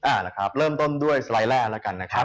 เอาละครับเริ่มต้นด้วยสไลด์แรกแล้วกันนะครับ